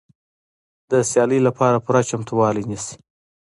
د سیالۍ لپاره پوره چمتووالی نیسي.